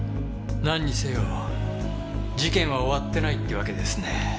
なんにせよ事件は終わってないってわけですね。